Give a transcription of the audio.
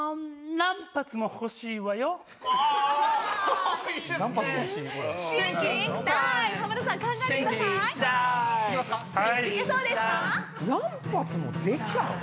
何発も出ちゃう？